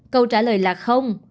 câu trả lời là không